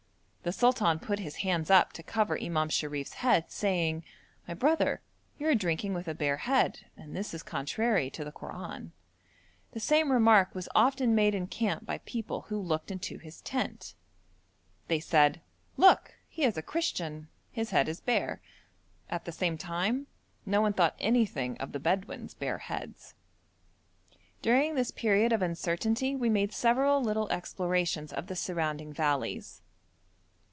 The sultan put his hands up to cover Imam Sharif's head, saying: 'My brother, you are drinking with a bare head, and this is contrary to the Koran.' The same remark was often made in camp by people who looked into his tent. They said, 'Look! he is a Christian, his head is bare.' At the same time no one thought anything of the Bedouin's bare heads. During this period of uncertainty we made several little explorations of the surrounding valleys.